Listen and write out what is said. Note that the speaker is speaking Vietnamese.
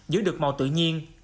giữ được màu tự nhiên